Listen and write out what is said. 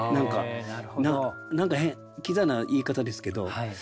何か変キザな言い方ですけど。